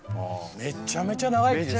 めちゃめちゃ長生きですね。